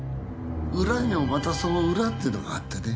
裏にもまたその裏ってのがあってね。